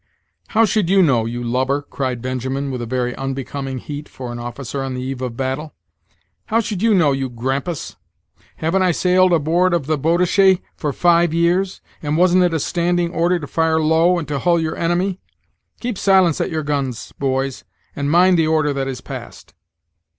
"How should you know, you lubber?" cried Benjamin, with a very unbecoming heat for an officer on the eve of battle "how should you know, you grampus? Haven't I sailed aboard of the Boadishy for five years? and wasn't it a standing order to fire low, and to hull your enemy! Keep silence at your guns, boys and mind the order that is passed."